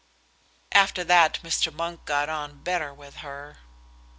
After that Mr. Monk got on better with her.